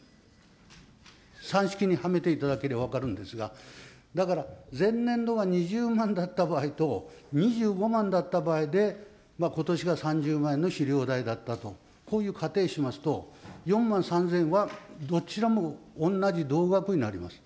算式にはめていただければ分かるんですが、だから前年度が２０万だった場合と、２５万だった場合で、ことしが３０万円の肥料代だったと、こういう仮定しますと、４万３０００はどちらもおんなじ、同額になります。